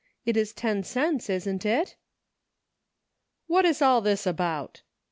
It is ten cents, isn't it?" "What is all this about?"